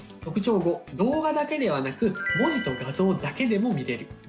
特徴５動画だけではなく文字と画像だけでも見れる。